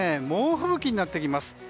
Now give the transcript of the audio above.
猛吹雪になってきます。